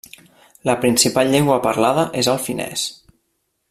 La principal llengua parlada és el finès.